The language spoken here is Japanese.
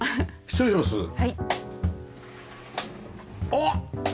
あっ！